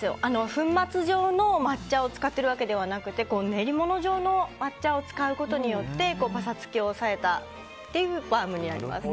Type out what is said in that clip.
粉末状の抹茶を使っているわけではなくて練り物状の抹茶を使うことによってパサつきを抑えたというバウムになります。